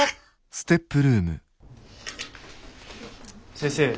先生。